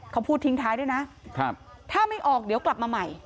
เขาพูดทิ้งท้ายด้วยนะถ้าไม่ออกเดี๋ยวกลับมาใหม่